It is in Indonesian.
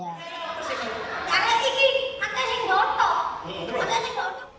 jangan tinggi atau akan ditutup